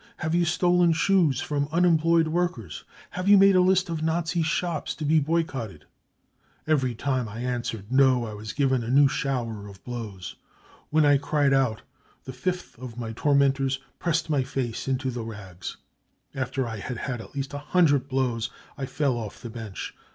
Have you stolen shoes from unem ployed workers ? Have you made a list of Nazi shops to be boycotted ? Every time I answered c No 5 I was given a new shower of blows. When I cried out, the fifth of my tormentors pressed my face into the rags. " After I had had at least a hundred blows I fell off the bench.